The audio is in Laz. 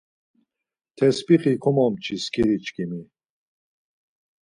Ťesbixi komomçi skiri çkimi.